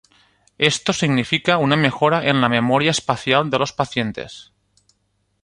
Esto significaba una mejora en la memoria espacial de los pacientes.